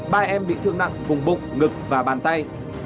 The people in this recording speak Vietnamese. ba em bị thương nặng vùng bụng ngực và bàn tay